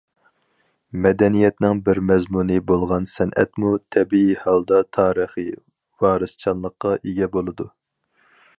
مەدەنىيەتنىڭ بىر مەزمۇنى بولغان سەنئەتمۇ تەبىئىي ھالدا تارىخىي ۋارىسچانلىققا ئىگە بولىدۇ.